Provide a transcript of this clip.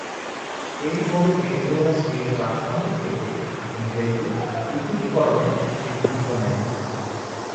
এরফলে ভেনেজুয়েলা স্পেনীয় রাজতন্ত্র থেকে নিজেদেরকে পৃথকীকরণের সিদ্ধান্ত নেয়।